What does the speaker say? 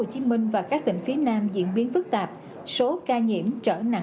thì khi có kết quả tên nhạc dương tính